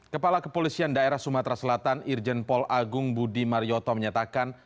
kepala kepolisian daerah sumatera selatan irjen pol agung budi marioto menyatakan